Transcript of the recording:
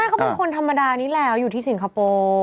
เขาเป็นคนธรรมดานี้แล้วอยู่ที่สิงคโปร์